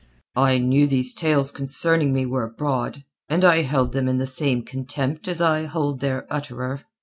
"I knew these tales concerning me were abroad, and I held them in the same contempt as I hold their utterer.